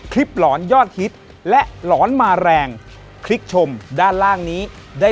ขอบคุณครับพี่